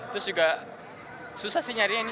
terus juga susah sih nyari ini